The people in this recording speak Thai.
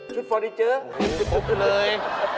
ชุดฟอร์ดิเจอร์ชุดฟอร์ดิเจอร์ครบเลย